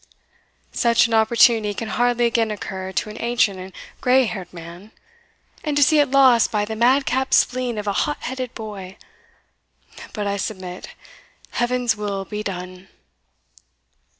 Such an opportunity can hardly again occur to an ancient and grey haired man; and to see it lost by the madcap spleen of a hot headed boy! But I submit Heaven's will be done!"